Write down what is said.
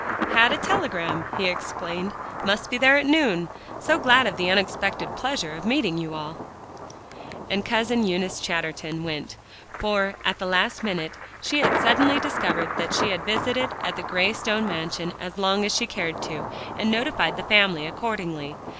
"Had a telegram," he explained; "must be there at noon. So glad of the unexpected pleasure of meeting you all." And Cousin Eunice Chatterton went; for, at the last minute, she had suddenly discovered that she had visited at the gray stone mansion as long as she cared to, and notified the family accordingly.